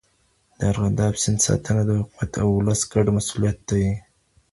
د ارغنداب سیند ساتنه د حکومت او ولس ګډ مسؤلیت دی.